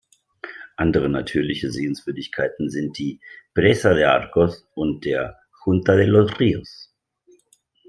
Andere natürliche Sehenswürdigkeiten sind die presa de Arcos und der "junta de los ríos".